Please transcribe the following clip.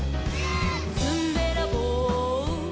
「ずんべらぼう」「」